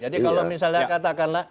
jadi kalau misalnya katakanlah